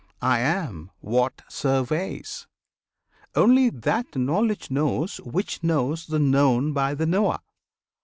I am what surveys! Only that knowledge knows which knows the known By the knower!